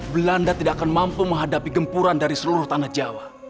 belanda tidak akan mampu menghadapi gempuran dari seluruh tanah jawa